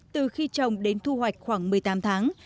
từ khi trồng đến thu hoạch khoảng một mươi tám tháng